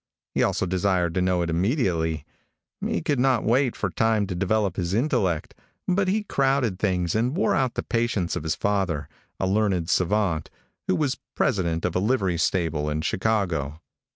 He also desired to know it immediately. He could not wait for time to develop his intellect, but he crowded things and wore out the patience of his father, a learned savant, who was president of a livery stable in Chicago.